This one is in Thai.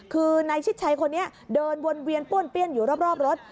คือนายชิดชัยคนนี้เดินวนเวียนป้วนเปี้ยนอยู่รอบรถ